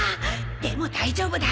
でも大丈夫だ！